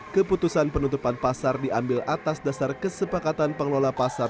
keputusan penutupan pasar diambil atas dasar kesepakatan pengelola pasar